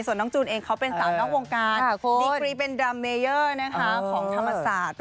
ส่วนน้องจูนเองเขาเป็นสาวนอกวงการดีกรีเป็นดรัมเมเยอร์ของธรรมศาสตร์